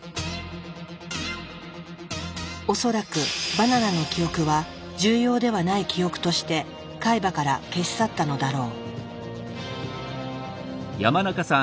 恐らくバナナの記憶は重要ではない記憶として海馬から消し去ったのだろう。